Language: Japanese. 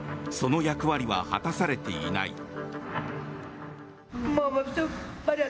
その役割は果たされていない。